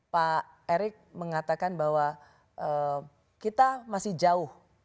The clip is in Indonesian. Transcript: pak erick mengatakan bahwa kita masih jauh